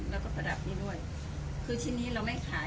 แล้วก็ประดับนี้ด้วยคือที่นี้เราไม่ขาย